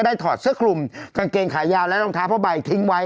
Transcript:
ถอดเสื้อคลุมกางเกงขายาวและรองเท้าผ้าใบทิ้งไว้